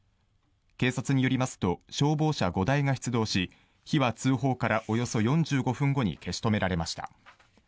警察によりますと消防車５台が出動し火は通報からおよそ４５分後に消し止められました。